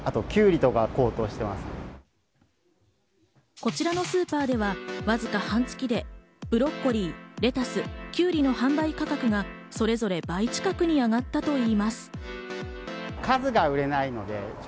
こちらのスーパーでは、わずか半月でブロッコリー、レタス、きゅうりの販売価格がそれぞれ倍近くに上がったといいます。